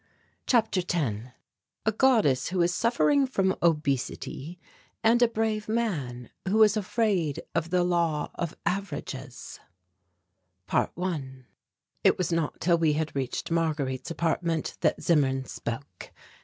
CHAPTER X A GODDESS WHO IS SUFFERING FROM OBESITY AND A BRAVE MAN WHO IS AFRAID OF THE LAW OF AVERAGES ~1~ It was not till we had reached Marguerite's apartment that Zimmern spoke.